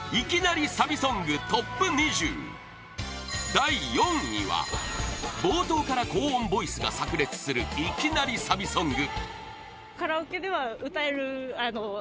第４位は冒頭から高音ボイスが炸裂するいきなりサビソング